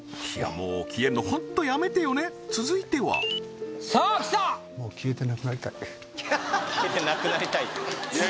もう消えるの本当やめてよね続いてはさあ来たもう消えてなくなりたいはははっ